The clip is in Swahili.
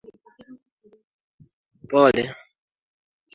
Sambusa zao ni tamu sana